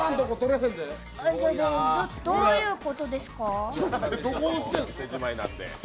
どういう事ですか？